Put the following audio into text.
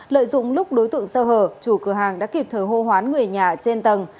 lợi dụng lúc đối tượng sơ hở chủ cửa hàng đã kịp thời hô hoán người nhà trên tầng